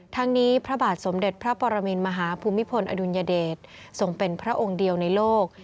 ทั้งนี้พระบาทสมเด็จพระปรมินมหาภูมิพลอดุลยเดชทรงเป็นพระองค์เดียวในโลก